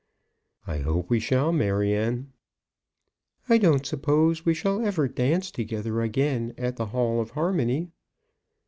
"I hope we shall, Maryanne." "I don't suppose we shall ever dance together again at the Hall of Harmony."